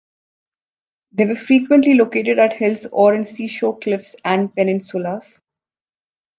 They were frequently located at hills, or in seashore cliffs and peninsulas.